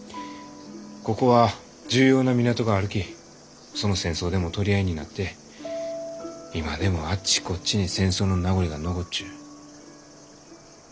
ここは重要な港があるきその戦争でも取り合いになって今でもあっちこっちに戦争の名残が残っちゅう。